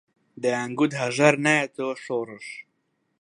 دەیانگوت هەژار نایەتەوە شۆڕش